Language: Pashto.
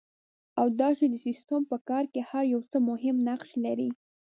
او دا چې د سیسټم په کار کې هر یو څه مهم نقش لري.